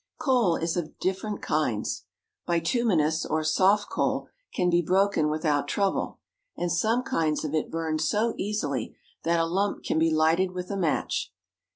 Coal is of different kinds. Bituminous or soft coal can be broken without trouble, and some kinds of it burn so easily that a lump can be lighted with a match.